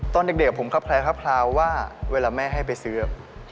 ตอนเด็กกับผมครับคร้าวว่าเวลาแม่ให้ไปซื้อ